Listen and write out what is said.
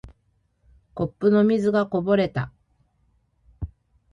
コップの水がこぼれた。